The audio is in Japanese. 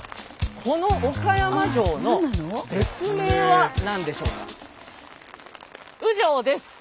この岡山城の別名は何でしょうか？